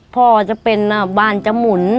พ่อจะเป็นบ้านจะหมุน